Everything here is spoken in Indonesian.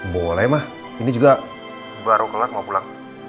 boleh ma ini juga baru keluar mau pulang